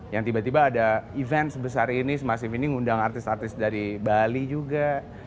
yang tiba tiba ada event sebesar ini semasif ini ngundang artis artis dari bali juga